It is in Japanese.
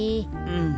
うん。